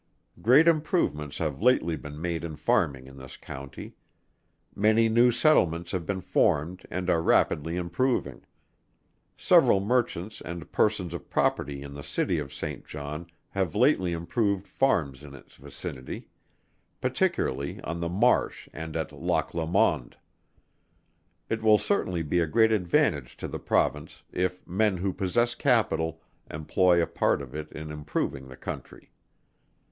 Great improvements have lately been made in farming in this county. Many new settlements have been formed and are rapidly improving. Several merchants and persons of property in the city of Saint John have lately improved farms in its vicinity; particularly on the Marsh and at Loch Lomond. It will certainly be a great advantage to the Province, if men who possess capital, employ a part of it in improving the country.